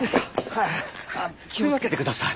はい気を付けてください。